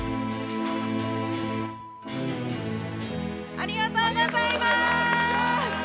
ありがとうございます！